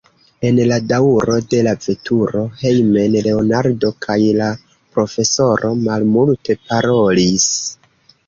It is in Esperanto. En la daŭro de la veturo hejmen Leonardo kaj la profesoro malmulte parolis.